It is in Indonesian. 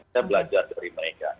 saya belajar dari mereka